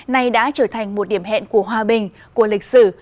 nay đã trở thành một điểm hẹn của hòa bình của lịch sử